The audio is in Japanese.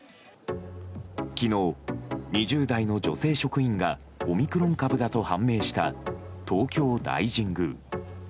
昨日、２０代の女性職員がオミクロン株だと判明した東京大神宮。